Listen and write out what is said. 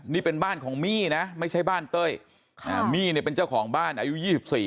นี่เป็นบ้านของมี่นะไม่ใช่บ้านเต้ยมี่เนี่ยเป็นเจ้าของบ้านอายุ๒๔